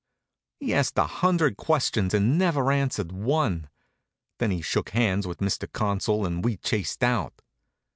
He asked a hundred questions and never answered one. Then he shook hands with Mr. Consul and we chased out.